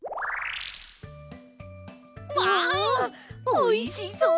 わおいしそう！